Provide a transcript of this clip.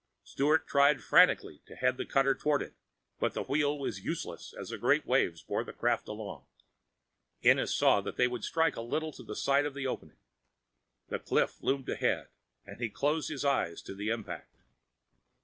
Sturt tried frantically to head the cutter toward it, but the wheel was useless as the great waves bore the craft along. Ennis saw they would strike a little to the side of the opening. The cliff loomed ahead, and he closed his eyes to the impact.